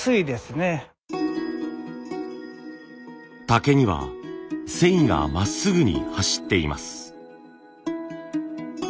竹には繊維がまっすぐに走っています。